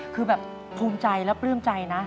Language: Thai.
คือแบบภูมิใจและปลื้มใจนะ